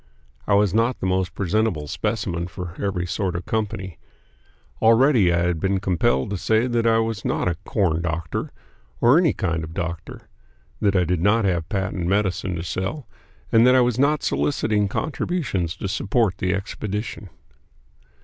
I was not the most presentable specimen for every sort of company. Already I had been compelled to say that I was not a "corn doctor" or any kind of doctor; that I did not have patent medicine to sell; and that I was not soliciting contributions to support the expedition.